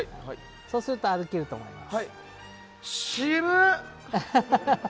そうすると歩けると思います。